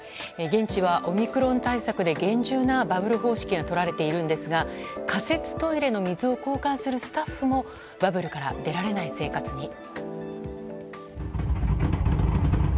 現地はオミクロン対策で厳重なバブル方式がとられているんですが仮設トイレの水を交換するスタッフもバブルから出られない生活に。